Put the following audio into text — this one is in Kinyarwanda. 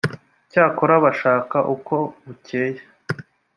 icyakora banshaka uko bukeye